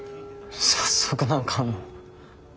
早速何かあんの？